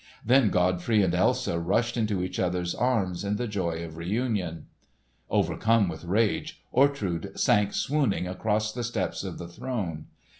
Then Godfrey and Elsa rushed into each other's arms in the joy of reunion. Overcome with rage, Ortrud sank swooning across the steps of the throne.